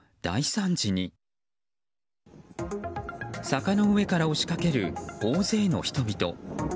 坂の上から押しかける大勢の人々。